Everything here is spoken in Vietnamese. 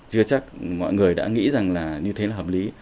chưa chắc mọi người đã nghĩ rằng là như thế là hợp lý